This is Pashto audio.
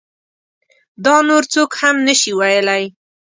دا نور څوک هم نشي ویلی.